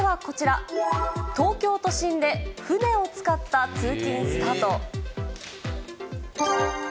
まずはこちら、東京都心で船を使った通勤がスタート。